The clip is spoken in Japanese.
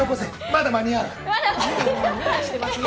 まだ間に合う！